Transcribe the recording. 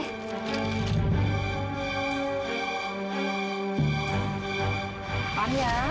tunggu simpan ya